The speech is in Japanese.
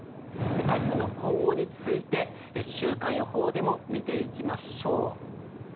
台風の今後について週間予報でも見ていきましょう。